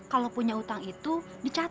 mas aku mau ke rumah